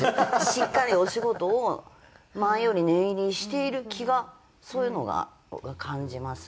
しっかりお仕事を前より念入りにしている気がそういうのが感じます。